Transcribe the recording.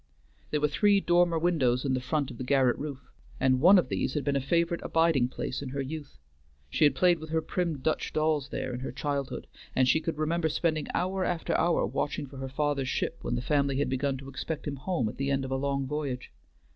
There were three dormer windows in the front of the garret roof, and one of these had been a favorite abiding place in her youth. She had played with her prim Dutch dolls there in her childhood, and she could remember spending hour after hour watching for her father's ship when the family had begun to expect him home at the end of a long voyage.